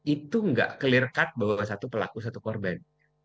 itu nggak clear cut bahwa satu pelaku satu korban